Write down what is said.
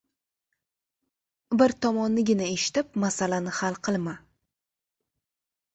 • Bir tomonnigina eshitib masalani hal qilma.